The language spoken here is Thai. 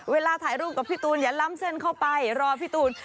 เวลาถ่ายรูปกับพี่ตูนอย่าล้ำเส้นเข้าไปรอพี่ตูน